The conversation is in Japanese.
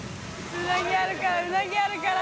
うなぎあるからうなぎあるから！